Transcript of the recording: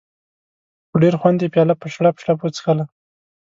په ډېر خوند یې پیاله په شړپ شړپ وڅښله.